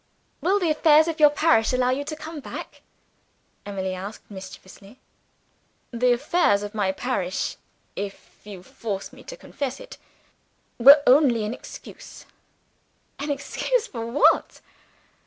"Will the affairs of your parish allow you to come back?" Emily asked mischievously. "The affairs of my parish if you force me to confess it were only an excuse." "An excuse for what?"